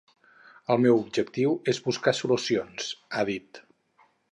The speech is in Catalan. El meu objectiu és buscar solucions, ha dit.